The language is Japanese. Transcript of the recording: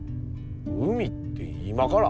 海って今から？